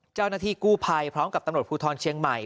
เจ้าหน้าที่กู้ภัยพร้อมกับตำรวจภูทรเชียงใหม่